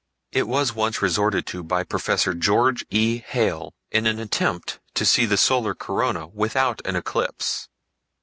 It was once resorted to by Prof. George E. Hale, in an attempt to see the solar corona without an eclipse.